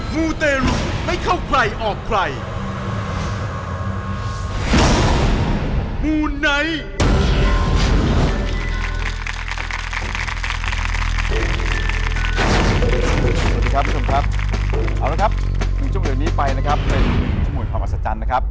มูนไนท์